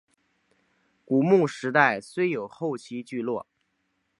古坟时代虽有后期聚落。